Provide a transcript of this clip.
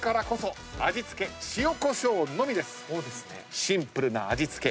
シンプルな味付け。